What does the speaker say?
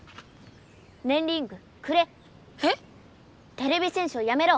てれび戦士をやめろ。